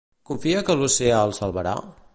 Confia que l'oceà el salvarà?